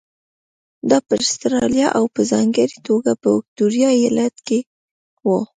دا په اسټرالیا او په ځانګړې توګه په ویکټوریا ایالت کې وو.